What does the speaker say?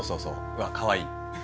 うわかわいい。